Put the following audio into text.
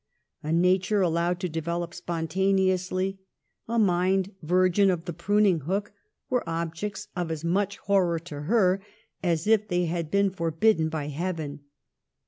A nature allowed to develop spontaneously, a mind virgin of the pruning hook, were objects of as much horror to her as if they had been forbid den by Heaven.